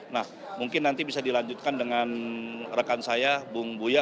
nah mungkin nanti bisa dilanjutkan dengan rekan saya bung buya